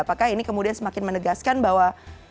apakah ini kemudian semakin menegaskan bahwa